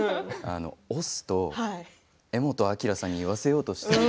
「押忍」と柄本明さんに言わせようとしている。